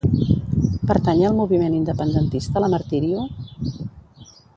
Pertany al moviment independentista la Martirio?